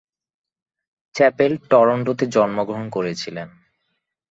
Chapel টরন্টোতে জন্মগ্রহণ করেছিলেন।